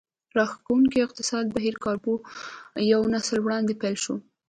راښکوونکی اقتصادي بهير کابو یو نسل وړاندې پیل شوی و